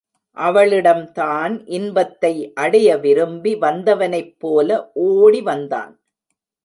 அவளிடம் தான் இன்பத்தை அடைய விரும்பி வந்தவனைப் போல ஒடி வந்தான்.